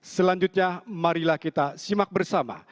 selanjutnya marilah kita simak bersama